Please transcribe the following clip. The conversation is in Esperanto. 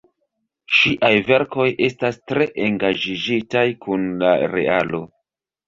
Ŝiaj verkoj estas tre engaĝiĝitaj kun la realo.